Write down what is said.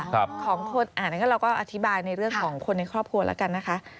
ของคนอ่านเราก็อธิบายในเรื่องของคนในครอบครัวแล้วกันนะคะ